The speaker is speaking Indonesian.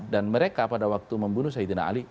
dan mereka pada waktu membunuh sayyidina ali